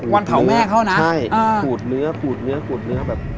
วันเผาแม่เขานะอเจมส์ใช่ขูดเนื้อแบบ